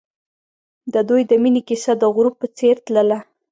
د دوی د مینې کیسه د غروب په څېر تلله.